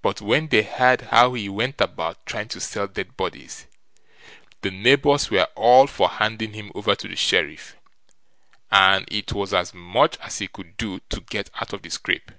But when they heard how he went about trying to sell dead bodies, the neighbours were all for handing him over to the Sheriff, and it was as much as he could do to get out of the scrape.